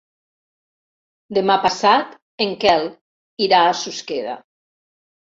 Demà passat en Quel irà a Susqueda.